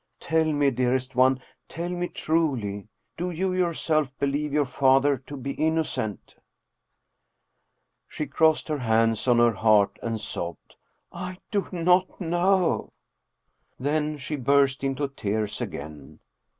Tell me, dearest one, tell me truly, do you yourself believe your father to be innocent ?" She crossed her hands on her heart and sobbed, " I do not know !" Then she burst into tears again.